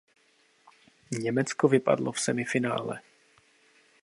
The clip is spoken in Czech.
Německo vypadlo v semifinále.